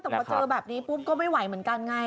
แต่พอเจอแบบนี้ปุ๊บก็ไม่ไหวเหมือนกันไง